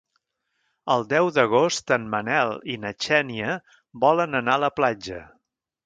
El deu d'agost en Manel i na Xènia volen anar a la platja.